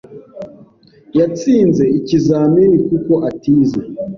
Yatsinze ikizamini kuko atize.